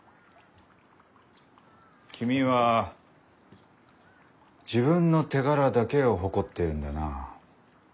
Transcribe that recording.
君は自分の手柄だけを誇っているんだな。